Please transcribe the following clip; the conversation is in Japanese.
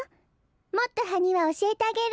もっとハニワおしえてあげる。